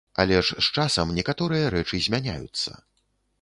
Але ж з часам некаторыя рэчы змяняюцца.